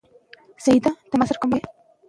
د نجونو ښوونه د ګډو پلانونو برياليتوب زياتوي.